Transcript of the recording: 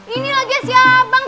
ini lagi ya si abang